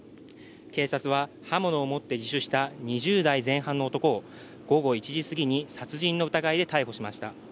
警察は刃物を持って自首した２０代前半の男を午後１時すぎに殺人の疑いで逮捕しました。